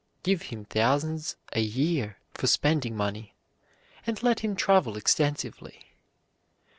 Give him thousands a year for spending money, and let him travel extensively.